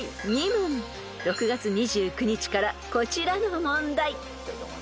［６月２９日からこちらの問題］